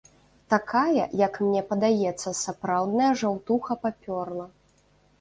Такая, як мне падаецца, сапраўдная жаўтуха папёрла.